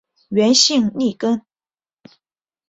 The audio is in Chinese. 原姓粟根。